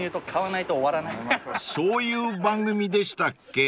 ［そういう番組でしたっけ？］